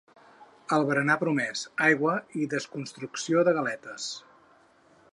El berenar promès: aigua i desconstrucció de galetes.